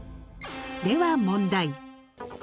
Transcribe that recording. では問題。